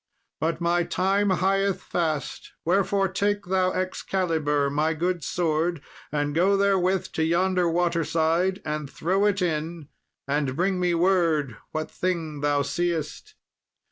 But my time hieth fast, wherefore take thou Excalibur, my good sword, and go therewith to yonder water side and throw it in, and bring me word what thing thou seest."